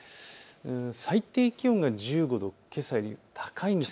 最低気温が１５度、けさより高いんです。